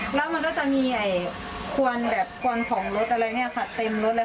เพราะว่ากลัวรถทัวร์มันเกิดอุบัติเหตุ